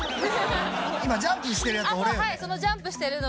今ジャンプしてるヤツ俺よね？